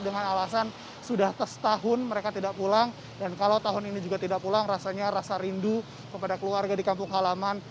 dengan alasan sudah setahun mereka tidak pulang dan kalau tahun ini juga tidak pulang rasanya rasa rindu kepada keluarga di kampung halaman